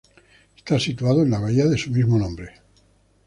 Está situado en la bahía de su mismo nombre.